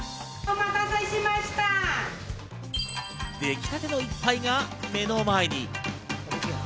できたての一杯が目の前に。